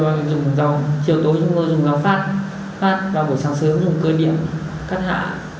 và buổi chiều tối chúng tôi dùng rau phát và buổi sáng sớm dùng cơ điểm cắt hạ